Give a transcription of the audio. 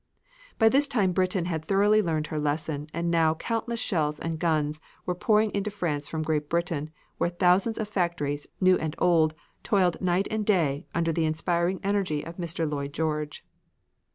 By this time Britain had thoroughly learned her lesson, and now countless shells and guns were pouring into France from Great Britain where thousands of factories, new and old, toiled night and day, under the inspiring energy of Mr. Lloyd George.